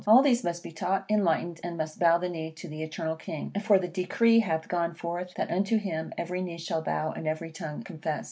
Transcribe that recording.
All these must be taught, enlightened, and must bow the knee to the eternal king, for the decree hath gone forth, that unto him every knee shall bow and every tongue confess.